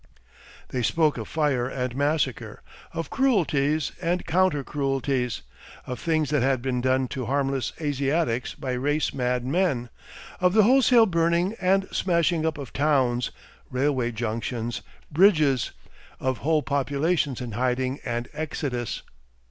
They spoke of fire and massacre, of cruelties and counter cruelties, of things that had been done to harmless Asiatics by race mad men, of the wholesale burning and smashing up of towns, railway junctions, bridges, of whole populations in hiding and exodus.